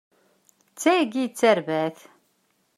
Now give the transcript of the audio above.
D tagi i d tarbaɛt!